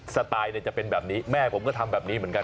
สไตล์จะเป็นแบบนี้แม่ผมก็ทำแบบนี้เหมือนกัน